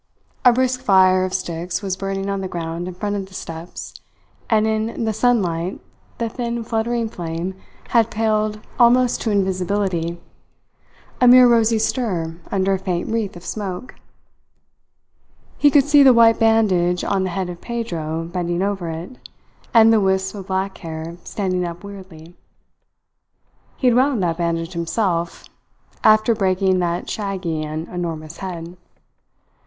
A brisk fire of sticks was burning on the ground in front of the steps, and in the sunlight the thin, fluttering flame had paled almost to invisibility a mere rosy stir under a faint wreath of smoke. He could see the white bandage on the head of Pedro bending over it, and the wisps of black hair standing up weirdly. He had wound that bandage himself, after breaking that shaggy and enormous head.